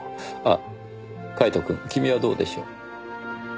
あカイトくん。君はどうでしょう？